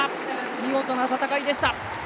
見事な戦いでした。